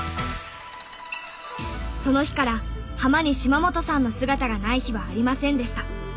その日から浜に島本さんの姿がない日はありませんでした。